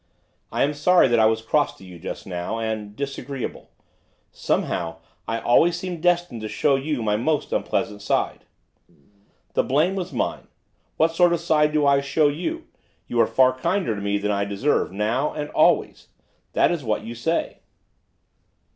'I am sorry that I was cross to you just now, and disagreeable. Somehow I always seem destined to show to you my most unpleasant side.' 'The blame was mine, what sort of side do I show you? You are far kinder to me than I deserve, now, and always.' 'That is what you say.